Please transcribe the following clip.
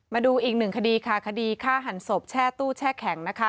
มาดูอีกหนึ่งคดีค่ะคดีฆ่าหันศพแช่ตู้แช่แข็งนะคะ